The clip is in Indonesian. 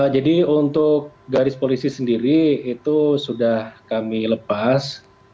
jadi untuk garis polisi sendiri itu sudah kami lepas